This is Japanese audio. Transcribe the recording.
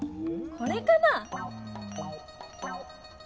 これかな？